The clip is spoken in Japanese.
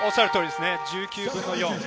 １９分の４。